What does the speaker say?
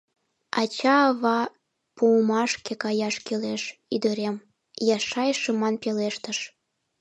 — Ача-ава пуымашке каяш кӱлеш, ӱдырем, — Яшай шыман пелештыш.